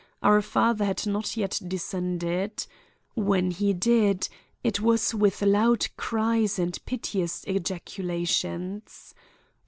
Our father had not yet descended. When he did, it was with loud cries and piteous ejaculations.